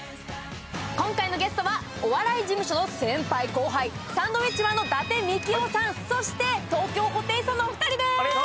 今回のゲストはお笑い事務所の先輩・後輩、サンドウィッチマンの伊達みきおさん、そして東京ホテイソンのお二人です。